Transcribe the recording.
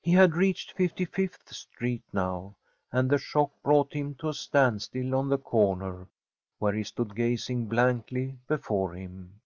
He had reached Fifty fifth Street now, and the shock brought him to a standstill on the corner, where he stood gazing blankly before him.